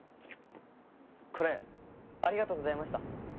これありがとうございました。